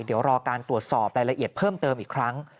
เดี๋ยวรอการตรวจสอบรายละเอียดเพิ่มเติมอีกครั้ง